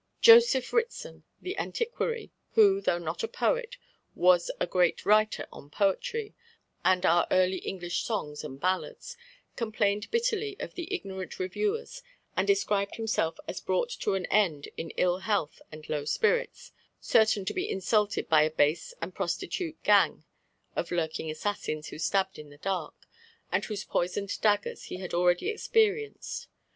Joseph Ritson, the antiquary, who, though not a poet, was a great writer on poetry and our early English songs and ballads, complained bitterly of the ignorant reviewers, and described himself as brought to an end in ill health and low spirits certain to be insulted by a base and prostitute gang of lurking assassins who stab in the dark, and whose poisoned daggers he had already experienced.